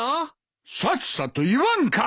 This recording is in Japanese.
さっさと言わんか！